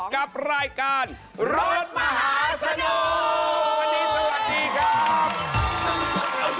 กับรายการ